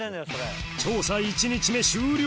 調査１日目終了